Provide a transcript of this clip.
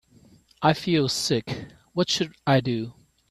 I feel sick, what should I do?